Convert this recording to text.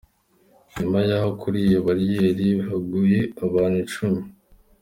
Nyuma y’aho kuri iyo bariyeri haguye abantu icumi.